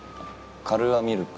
カルーア・ミルク。